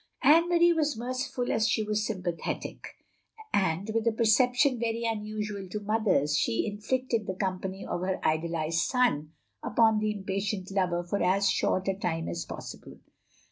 Anne Marie was merciful as she was sympa thetic, and, with a perception v6ry unusual to mothers, she inflicted the company of her idol ised son upon the impatient lover for as short a time as possible.